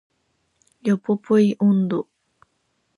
ヨポポイ音頭